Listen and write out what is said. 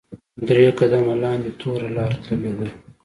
درې قدمه لاندې توره لاره تللې ده.